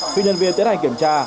khi nhân viên tiến hành kiểm tra